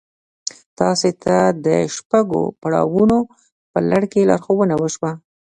تاسې ته د شپږو پړاوونو په لړ کې لارښوونه وشوه.